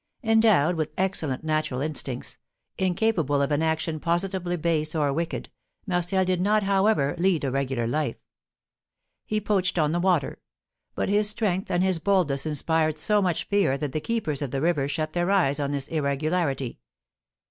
Endowed with excellent natural instincts, incapable of an action positively base or wicked, Martial did not, however, lead a regular life: he poached on the water; but his strength and his boldness inspired so much fear that the keepers of the river shut their eyes on this irregularity.